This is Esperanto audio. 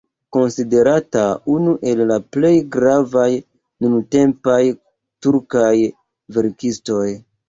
Konsiderata unu el la plej gravaj nuntempaj turkaj verkistoj.